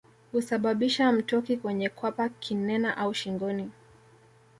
Husababisha mtoki kwenye kwapa kinena au shingoni